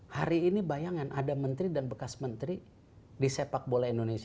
hari ini bayangan ada menteri dan bekas menteri di sepak bola indonesia